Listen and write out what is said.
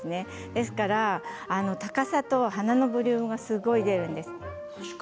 ですから高さと花のボリュームがすごい出るんです。